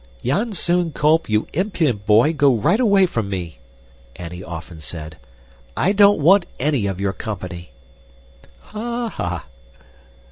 "Janzoon Kolp, you impudent boy, go right away from me!" Annie often said. "I don't want any of your company." Ha! Ha!